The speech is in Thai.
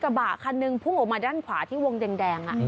บะคันหนึ่งพุ่งออกมาด้านขวาที่วงแดง